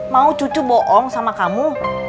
mau cucu bohong sama kamu